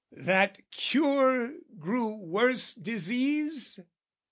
that cure grew worse disease?